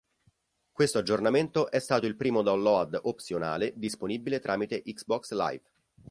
Questo aggiornamento è stato il primo download opzionale, disponibile tramite Xbox Live.